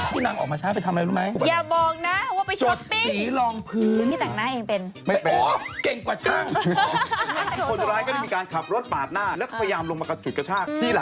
เมื่อวานพี่หนุ่มพูดอะไรโอ๊ยกัชชะดาอะไรฉันน่ะ